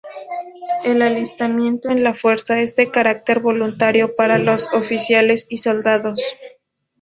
El alistamiento en la Fuerza es de carácter voluntario para los oficiales y soldados.